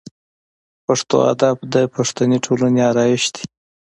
پښتو ادب د پښتني ټولنې آرایش دی.